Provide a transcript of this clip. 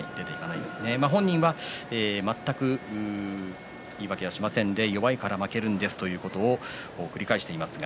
本人は全く言い訳はしませんで弱いから負けるんですということを繰り返しています。